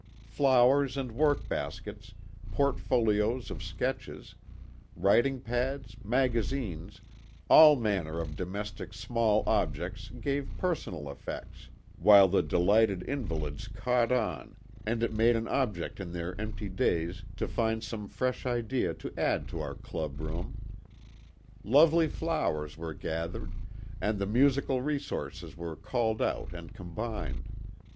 Flowers and work baskets, portfolios of sketches, writ ing pads, magazines, all manner of domestic small objects gave personal effects, while the delighted invalids "caught on " and it made an object in their empty days to find some fresh 134 THE TWO WILLS. idea to add to our club room. Lovely flowers were gathered, and the musical resources were called out and combined.